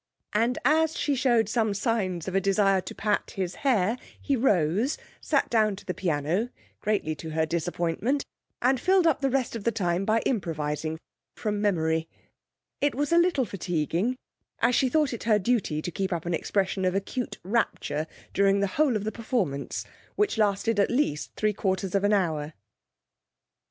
and as she showed some signs of a desire to pat his hair he rose, sat down to the piano, greatly to her disappointment, and filled up the rest of the time by improvising (from memory). It was a little fatiguing, as she thought it her duty to keep up an expression of acute rapture during the whole of the performance, which lasted at least three quarters of an hour.